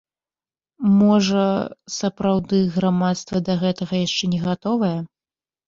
Можа сапраўды грамадства да гэтага яшчэ не гатовае?